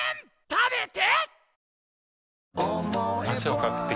食べて！